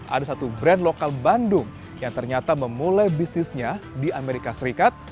ada satu brand lokal bandung yang ternyata memulai bisnisnya di amerika serikat